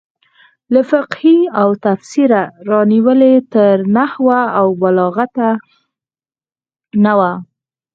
له فقهې او تفسیره رانیولې تر نحو او بلاغته نه وو.